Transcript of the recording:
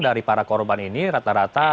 dari para korban ini rata rata